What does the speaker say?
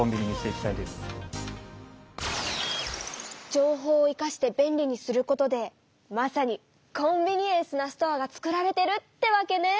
情報をいかして便利にすることでまさにコンビニエンスなストアがつくられてるってわけね！